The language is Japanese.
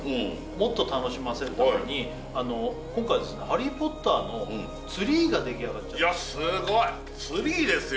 もっと楽しませるために今回ですね「ハリー・ポッター」のツリーが出来上がっちゃったいやすごいツリーですよ